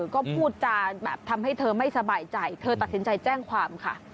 ก็พูดจาแบบทำให้เธอไม่สบายใจเธอตัดสินใจแจ้งความค่ะ